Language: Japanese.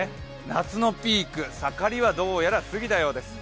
夏のピーク、盛りはどうやら過ぎたようです。